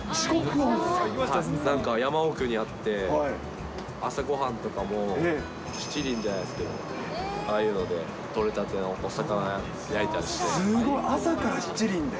なんか山奥にあって、朝ごはんとかも七輪じゃないですけど、ああいうので取れたてのおすごい、朝から七輪で？